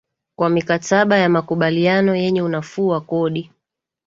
kwa mikataba ya makubaliano yenye unafuu wa kodi